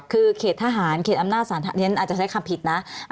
คือเขตทหารเขตอำนาจศาลอาจจะใช้คำผิดนะ